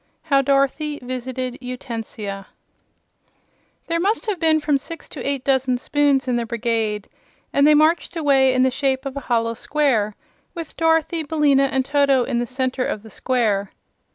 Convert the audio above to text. How Dorothy Visited Utensia There must have been from six to eight dozen spoons in the Brigade, and they marched away in the shape of a hollow square, with Dorothy, Billina and Toto in the center of the square.